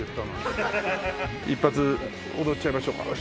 一発踊っちゃいましょうか。